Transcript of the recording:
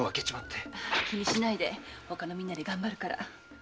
気にしないで他のみんなでがんばるから。